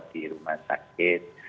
di rumah sakit